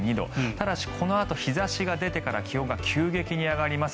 ただしこのあと日差しが出てから気温が急激に上がります。